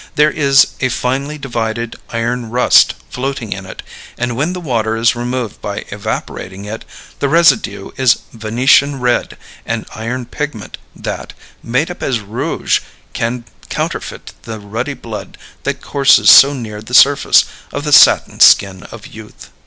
There is a finely divided iron rust floating in it, and when the water is removed by evaporating it, the residue is Venetian red and iron pigment that, made up as rouge, can counterfeit the ruddy blood that courses so near the surface of the satin skin of youth.